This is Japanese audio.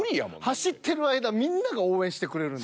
走ってる間みんなが応援してくれるんで。